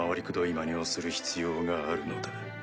まねをする必要があるのだ？